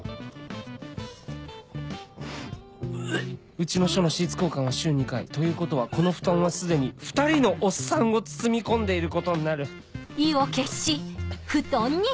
うちの署のシーツ交換は週２回ということはこの布団は既に２人のおっさんを包み込んでいることになる